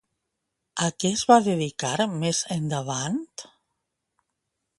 A què es va dedicar més endavant?